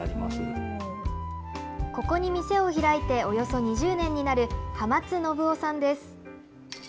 ここに店を開いておよそ２０年になる浜津伸生さんです。